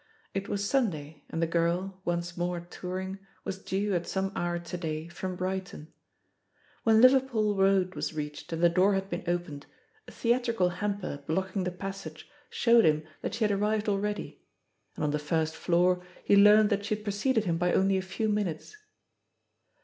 It was Sunday, and the girl, once more touring, was due, at some hour to day, from Brighton. When Liverpool Road was reached and the door had been opened, a theatrical hamper blocking the passage showed THE POSITION OF PEGGY HARPER «19 him that she had arrived ah*eady, and on the first floor he learnt that she had preceded him hy only a few minutes.